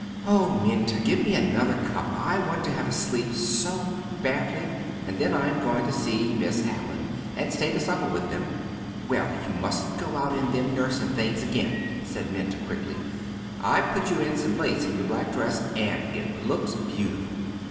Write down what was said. "Oh, Minta, give me another cup. I want to have a sleep so badly, and then I am going to see Miss Hallin, and stay to supper with them." "Well, you mustn't go out in them nursin' things again," said Minta, quickly; "I've put you in some lace in your black dress, an' it looks beautiful."